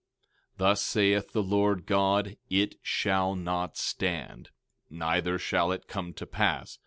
17:7 Thus saith the Lord God: It shall not stand, neither shall it come to pass.